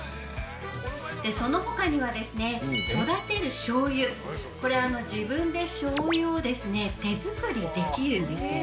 ◆そのほかには、「育てるしょうゆ」これ、自分でしょうゆを手作りできるんです。